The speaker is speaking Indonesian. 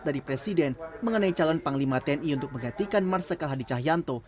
dari presiden mengenai calon panglima tni untuk menggantikan marsikal hadi cahyanto